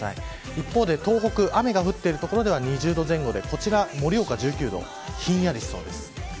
一方で、東北は雨が降っている所では２０度前後で盛岡１９度ひんやりしそうです。